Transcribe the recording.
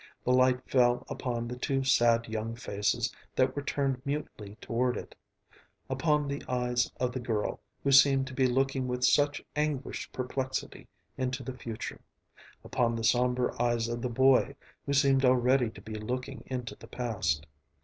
The light fell upon the two sad young faces that were turned mutely toward it: upon the eyes of the girl, who seemed to be looking with such anguished perplexity into the future; upon the sombre eyes of the boy, who seemed already to be looking into the past.